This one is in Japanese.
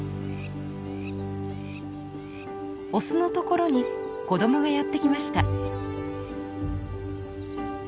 オスのところに子供がやって来ました。